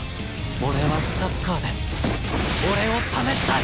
俺はサッカーで俺を試したい！